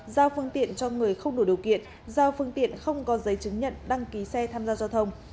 giao phương tiện cho người không đủ điều kiện giao phương tiện không có giấy chứng nhận đăng ký xe tham gia giao thông